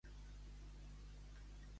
Qui no el criden, que no responga.